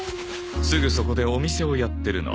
すぐそこでお店をやってるの。